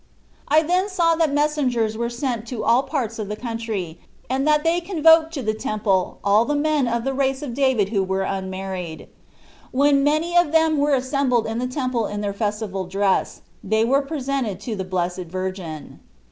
I then saw that messengers were sent to all parts of the country, and that they convoked to the Temple all the men of the race of David who were unmarried. When many of them were assembled in the Temple in their festival dress, they were presented to the Blessed Virgin.